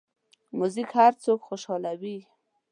موزیک هر څوک خوشحالوي.